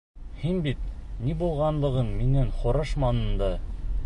Һин бит ни булғанлығын минән һорашманың да!..